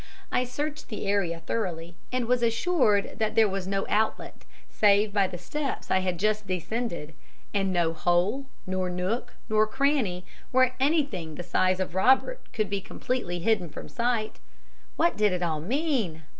I searched the area thoroughly, and was assured that there was no outlet, save by the steps I had just descended, and no hole, nor nook, nor cranny where anything the size of Robert could be completely hidden from sight. What did it all mean?